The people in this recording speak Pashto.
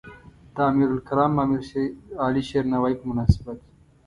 د امیرالکلام امیرعلی شیرنوایی په مناسبت.